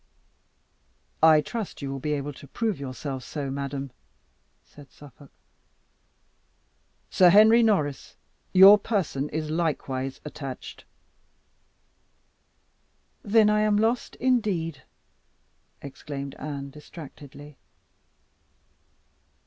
"I trust you will be able to prove yourself so, madam," said Suffolk. "Sir Henry Norris, your person is likewise attached." "Then I am lost indeed!" exclaimed Anne distractedly.